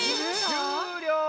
しゅうりょう。